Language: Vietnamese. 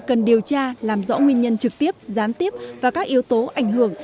cần điều tra làm rõ nguyên nhân trực tiếp gián tiếp và các yếu tố ảnh hưởng